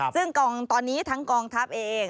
ซึ่งตอนนี้ทั้งกองทัพเอง